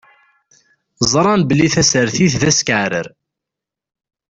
Ẓṛan belli tasertit d askeɛrer.